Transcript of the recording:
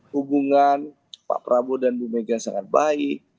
hubungan pak prabowo dan bumegang sangat baik